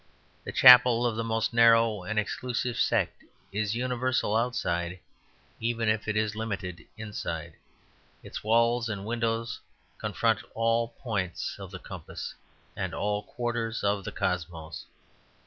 The chapel of the most narrow and exclusive sect is universal outside, even if it is limited inside, its walls and windows confront all points of the compass and all quarters of the cosmos.